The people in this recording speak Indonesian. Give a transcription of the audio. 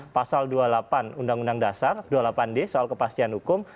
pasal dua puluh delapan undang undang dasar dua puluh delapan d soal kepastian hukum